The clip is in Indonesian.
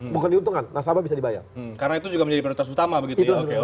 bukan diuntungkan nasabah bisa dibayar karena itu juga menjadi prioritas utama begitu ya